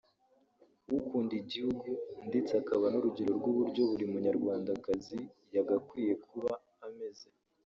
ukunda igihugu ndetse akaba n’urugero rw’uburyo buri munyarwandakazi yagakwiye kuba ameze